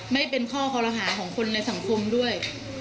ไม่เป็นข้อคอรหาของคนในสังคมด้วย